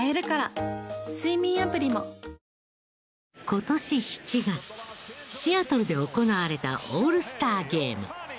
今年７月シアトルで行われたオールスターゲーム。